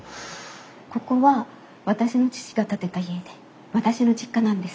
ここは私の父が建てた家で私の実家なんです。